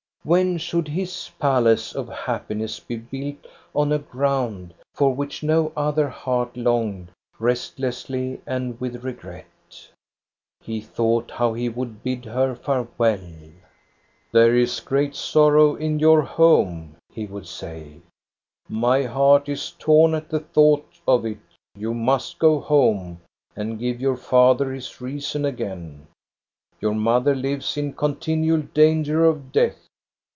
When should his palace of happiness be built on a ground for which no other heart longed restlessly and with regret? He thought how he would bid her farewell. " There is great sorrow in your home," he would say. " My heart is torn at the thought of it You must go home and give your father his reason again. Your mother lives in continual danger of death.